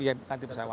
iya ganti pesawat